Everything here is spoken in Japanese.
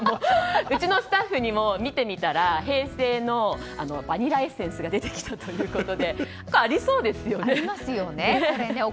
うちのスタッフにも見てみたら平成のバニラエッセンスが出てきたということでありますよね。